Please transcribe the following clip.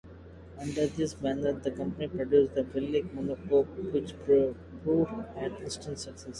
Under this banner, the company produced the Velie Monocoupe, which proved "an instant success".